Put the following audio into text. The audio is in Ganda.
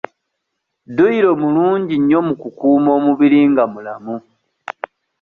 Dduyiro mulungi nnyo mu kukuuma omubiri nga mulamu.